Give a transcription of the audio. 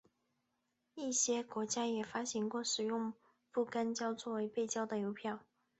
一些国家也发行过使用不干胶作为背胶的邮票。